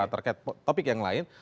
terkait topik yang lain